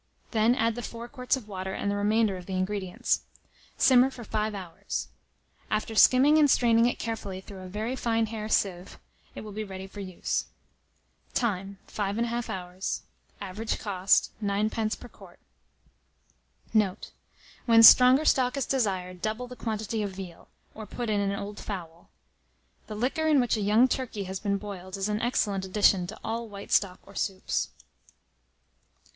Then add the 4 quarts of water and the remainder of the ingredients; simmer for 5 hours. After skimming and straining it carefully through a very fine hair sieve, it will be ready for use. Time. 5 1/2 hours. Average cost, 9d. per quart. Note. When stronger stock is desired, double the quantity of veal, or put in an old fowl. The liquor in which a young turkey has been boiled, is an excellent addition to all white stock or soups.